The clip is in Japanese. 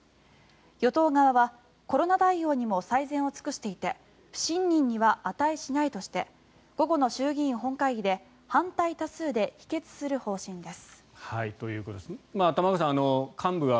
与党側はコロナ対応にも最善を尽くしていて不信任には値しないとして午後の衆議院本会議で反対多数で否決する方針です。